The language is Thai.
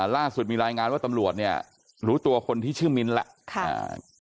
ล่าสุดมีรายงานว่าตำรวจเนี่ยรู้ตัวคนที่ชื่อมิ้นท์แล้ว